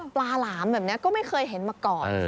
หลามแบบนี้ก็ไม่เคยเห็นมาก่อน